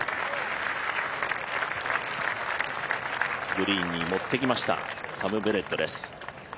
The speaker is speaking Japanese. グリーンにのってきました、サム・ベネットです。